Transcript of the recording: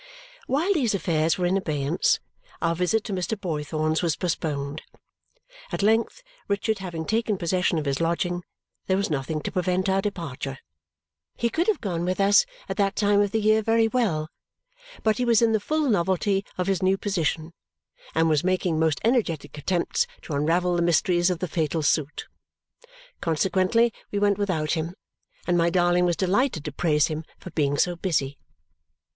While these affairs were in abeyance, our visit to Mr. Boythorn's was postponed. At length, Richard having taken possession of his lodging, there was nothing to prevent our departure. He could have gone with us at that time of the year very well, but he was in the full novelty of his new position and was making most energetic attempts to unravel the mysteries of the fatal suit. Consequently we went without him, and my darling was delighted to praise him for being so busy.